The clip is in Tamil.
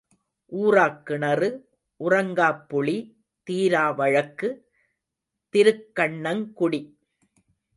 ஊறாக் கிணறு, உறங்காப் புளி, தீரா வழக்கு, திருக்கண்ணங் குடி.